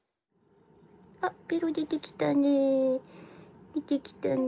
あベロ出てきたね。